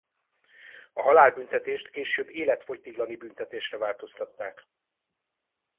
A halálbüntetést később életfogytiglani büntetésre változtatták.